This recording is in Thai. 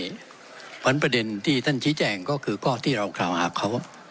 เพราะฉะนั้นประเด็นที่ท่านชี้แจงก็คือข้อที่เรากล่าวหาเขา